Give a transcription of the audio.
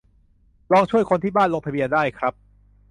ลองช่วยคนที่บ้านลงทะเบียนได้ครับ